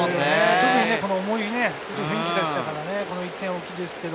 特に重い雰囲気でしたからね、この１点は大きいです。